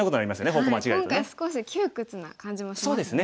今回少し窮屈な感じもしますね。